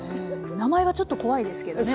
名前はちょっと怖いですけどね。